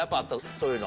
そういうの。